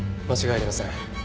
間違いありません。